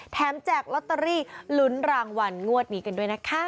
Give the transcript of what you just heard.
แจกลอตเตอรี่ลุ้นรางวัลงวดนี้กันด้วยนะคะ